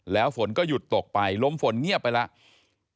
แล้วฝนก็หยุดตกไปลมฝนเงียบไปแล้ว